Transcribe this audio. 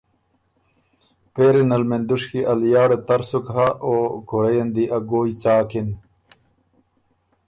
پېری نل مېن دُشکي ا لیاړه تر سُک هۀ او کُورئ ان دی ا ګوی څاکِن۔